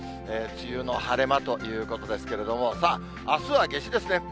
梅雨の晴れ間ということですけれども、あすは夏至ですね。